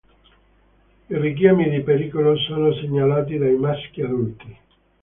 I richiami di pericolo sono segnalati dai maschi adulti.